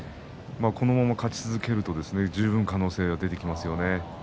このまま勝ち続けると十分、可能性が出てきますよね。